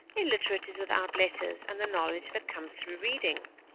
Illiterate is without letters and the knowledge that comes through reading.